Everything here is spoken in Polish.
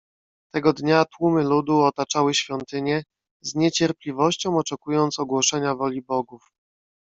"Tego dnia tłumy ludu otaczały świątynię, z niecierpliwością oczekując ogłoszenia woli bogów."